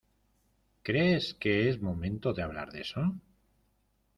¿ crees que es momento de hablar de eso?